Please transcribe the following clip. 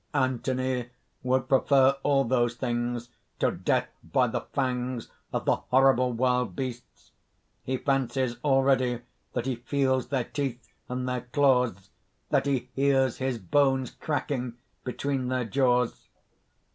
(_Anthony would prefer all those things to death by the fangs of the horrible wild beasts; he fancies already that he feels their teeth and their claws, that he hears his bones cracking between their jaws.